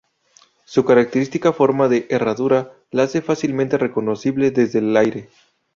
Su característica forma de herradura la hace fácilmente reconocible desde el aire.